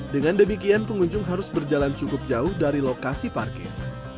dengan demikian pengunjung harus berjalan cukup jauh dari lokasi parkir